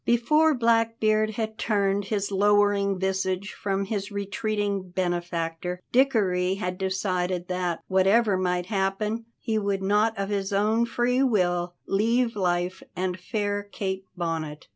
Before Blackbeard had turned his lowering visage from his retreating benefactor, Dickory had decided that, whatever might happen, he would not of his own free will leave life and fair Kate Bonnet.